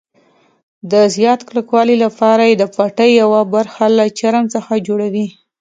د زیات کلکوالي لپاره یې د پټۍ یوه برخه له چرم څخه جوړوي.